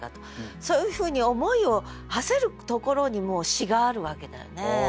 そういうふうに思いをはせるところにもう詩があるわけだよね。